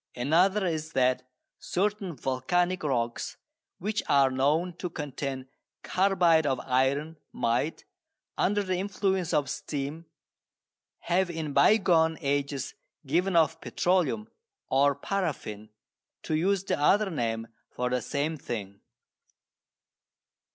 Another is that certain volcanic rocks which are known to contain carbide of iron might, under the influence of steam, have in bygone ages given off petroleum, or paraffin, to use the other name for the same thing.